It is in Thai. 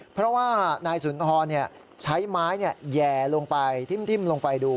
เพราะว่านายสุนทรใช้ไม้แหย่ลงไปทิ้มลงไปดู